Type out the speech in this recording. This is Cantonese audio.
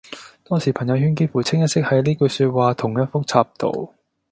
當時朋友圈幾乎清一色係呢句說話同一幅插圖